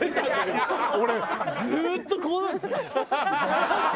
俺ずっとこんなんやって。